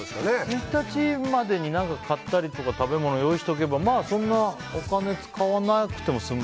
１日までに何か買ったり食べ物用意しておけばまあ、そんなにお金を使わなくても済む。